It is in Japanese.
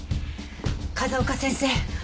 風丘先生。